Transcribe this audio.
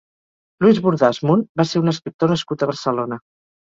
Luis Bordás Munt va ser un escriptor nascut a Barcelona.